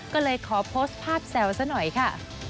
ก็เลยขอโพสต์ภาพแซวซะหน่อยค่ะ